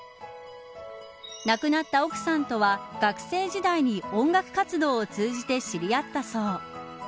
亡くなった奥さんとは学生時代に音楽活動を通じて知り合ったそう。